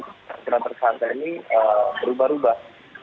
keterangan tersangka ini berubah rubah